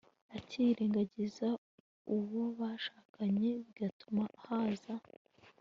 akirengagiza uwo bashakanye, bigatuma haza